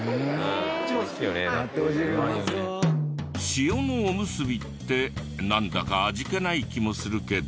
塩のおむすびってなんだか味気ない気もするけど。